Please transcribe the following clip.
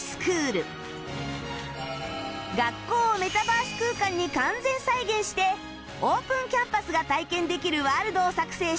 学校をメタバース空間に完全再現してオープンキャンパスが体験できるワールドを作成した生徒も